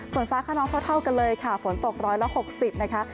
ฝนฟ้าขนองเพราะเท่ากันเลยค่ะฝนตก๑๖๐นะคะ